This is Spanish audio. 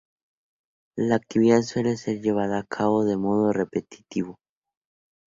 La actividad suele ser llevada a cabo de modo repetido.